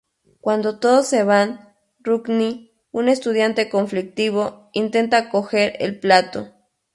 Cuando todos se van, Rodney, un estudiante conflictivo, intenta coger el plato.